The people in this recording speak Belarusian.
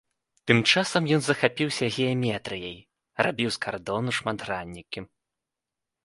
Тым часам ён захапіўся геаметрыяй, рабіў з кардону шматграннікі.